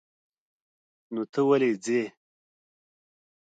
نو ته ولې ځې؟